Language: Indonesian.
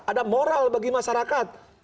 ada moral bagi masyarakat